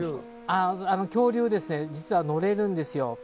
実は乗れるんですよ。